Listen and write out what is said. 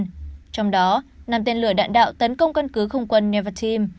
trong đó năm tên lửa đạn đạo tấn công căn cứ không quân nevatim